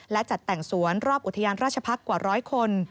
และจัดแต่งสวนรอบอุทยานราชพักษ์กว่าร้อยคน